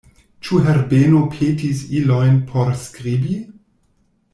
Ĉu Herbeno petis ilojn por skribi?